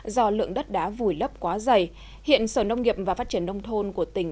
do lượng đất đá vùi lấp quá dày hiện sở nông nghiệp và phát triển nông thôn của tỉnh